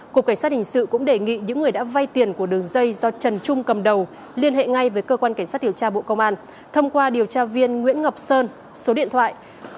cục cảnh sát hình sự cũng đề nghị những người đã vai tiền của đường dây do trần trung cầm đầu liên hệ ngay với cơ quan cảnh sát hiểu tra bộ công an thông qua điều tra viên nguyễn ngọc sơn số điện thoại chín trăm ba mươi tám hai trăm sáu mươi tám bảy